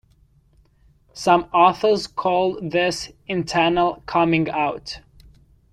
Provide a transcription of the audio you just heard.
Some authors call this "internal coming-out".